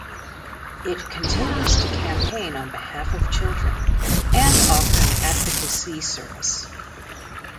It continues to campaign on behalf of children, and offer an advocacy service.